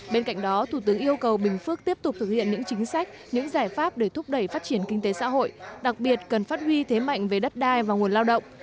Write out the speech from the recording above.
bên cạnh đó thủ tướng yêu cầu bình phước tiếp tục thực hiện những chính sách những giải pháp để thúc đẩy phát triển kinh tế xã hội đặc biệt cần phát huy thế mạnh về đất đai và nguồn lao động